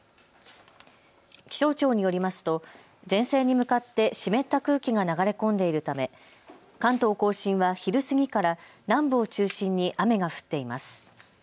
気象庁によりますと前線に向かって湿った空気が流れ込んでいるため関東甲信は昼過ぎから南部を中心に雨が降っています。